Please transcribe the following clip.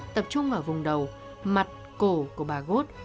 tập trung ở vùng đầu mặt cổ của bà gốt